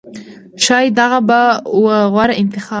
ښایي دغه به و غوره انتخاب